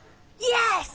よし！